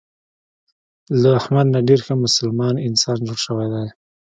له احمد نه ډېر ښه مسلمان انسان جوړ شوی دی.